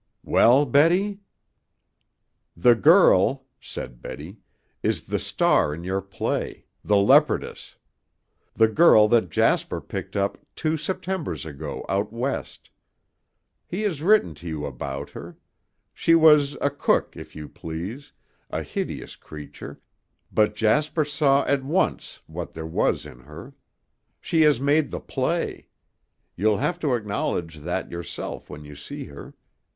"Well, Betty?" "The girl," said Betty, "is the star in your play, 'The Leopardess,' the girl that Jasper picked up two Septembers ago out West. He has written to you about her. She was a cook, if you please, a hideous creature, but Jasper saw at once what there was in her. She has made the play. You'll have to acknowledge that yourself when you see her.